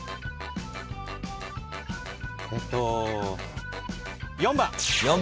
えっと４番。